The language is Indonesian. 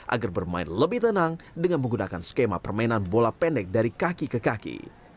agar bermain lebih tenang dengan menggunakan skema permainan bola pendek dari kaki ke kaki